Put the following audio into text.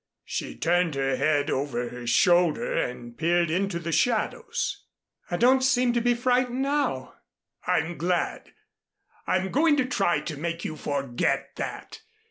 She turned her head over her shoulder and peered into the shadows. "I don't seem to be frightened now." "I'm glad. I'm going to try to make you forget that.